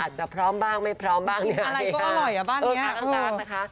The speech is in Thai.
อาจจะพร้อมบ้างไม่พร้อมบ้างเนี้ยอะไรก็อร่อยอ่ะบ้านเนี้ยเออค่ะค่ะค่ะ